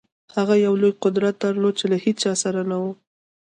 خو هغه یو لوی قدرت درلود چې له هېچا سره نه و